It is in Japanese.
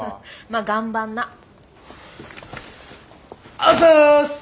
あざす！